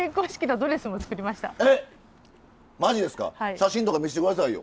写真とか見して下さいよ！